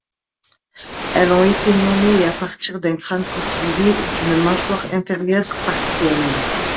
Elles ont été nommées à partir d'un crâne fossilisé et d'une mâchoire inférieure partielle.